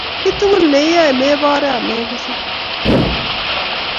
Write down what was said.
Kitugul ne iyae mebore ak mekesei